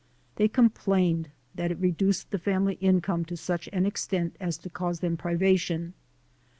They complained that it reduced the family income to such an extent as to cause them privation.